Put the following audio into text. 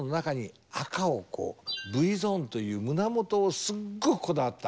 Ｖゾーンという胸元をすっごくこだわった。